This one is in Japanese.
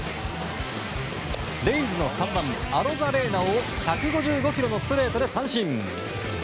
レイズの３番アロザレーナを１５５キロのストレートで三振。